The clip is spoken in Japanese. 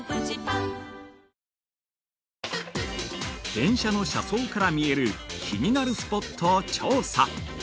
◆電車の車窓から見える気になるスポットを調査。